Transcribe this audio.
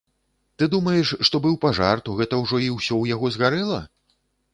Ты думаеш, што быў пажар, то гэта ўжо і ўсё ў яго згарэла?